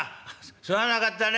「すまなかったね」。